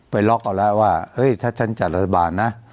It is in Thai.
ล็อกเอาแล้วว่าเฮ้ยถ้าฉันจัดรัฐบาลนะ